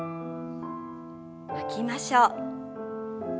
吐きましょう。